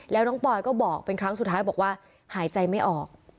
แล้วน้องปอยก็บอกเป็นครั้งสุดท้ายบอกว่าหายใจไม่ออก